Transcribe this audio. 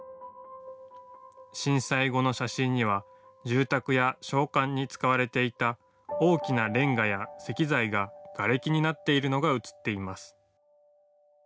震災後の写真には住宅や商館に使われていた大きなれんがや石材ががれきになっているのが写っています。